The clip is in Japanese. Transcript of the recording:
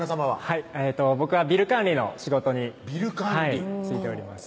はい僕はビル管理の仕事に就いております